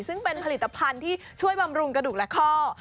ซึ่งเป็นผลิตภัณฑ์ที่ช่วยบำรุงกระดูกและข้อ